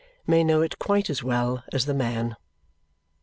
may know it quite as well as the man.